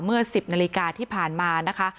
เมื่อ๑๐นาฬิกาที่ผ่านมานะคะ